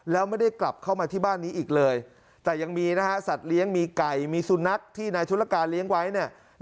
แล้วไม่ได้กลับเข้ามาที่บ้านนี้อีกเลยแต่ยังมีนะฮะสัตว์เลี้ยงมีไก่มีสุนัขที่นายชุดละกาเลี้ยงไว้เนี่ย